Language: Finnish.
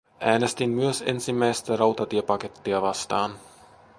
Äänestin myös ensimmäistä rautatiepakettia vastaan.